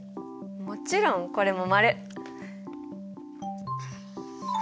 もちろんこれも○！